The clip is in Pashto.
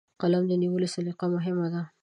د قلم نیولو سلیقه مهمه ده.